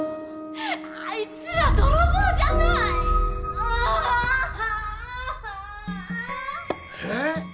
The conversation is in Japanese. あいつら泥棒じゃない！えっ！？